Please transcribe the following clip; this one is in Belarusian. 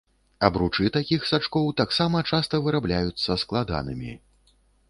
Абручы такіх сачкоў таксама часта вырабляюцца складанымі.